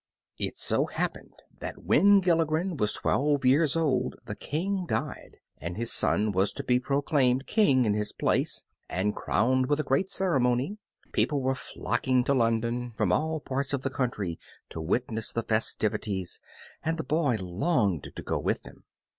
It so happened that when Gilligren was twelve years old the King died, and his son was to be proclaimed King in his place, and crowned with great ceremony. People were flocking to London from all parts of the country, to witness the festivities, and the boy longed to go with them.